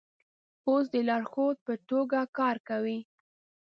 اوس د لارښود په توګه کار کوي.